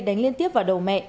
đánh liên tiếp vào đầu mẹ